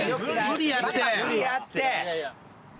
無理やって！